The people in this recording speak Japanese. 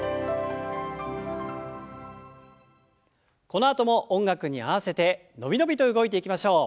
このあとも音楽に合わせて伸び伸びと動いていきましょう。